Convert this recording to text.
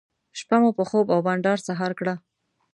شپه مو په خوب او بانډار سهار کړه.